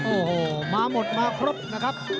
โอ้โหมาหมดมาครบนะครับ